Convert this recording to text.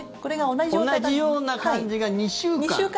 同じような感じが２週間。